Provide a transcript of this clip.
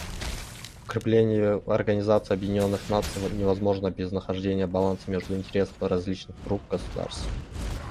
Укрепление Организации Объединенных Наций невозможно без нахождения баланса между интересами различных групп государств.